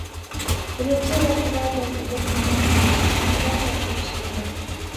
بىرىنچى، ۋاقتىدا دەم ئېلىپ، تاماق پۇلىنى ۋاقتىدا تاپشۇرۇش كېرەك.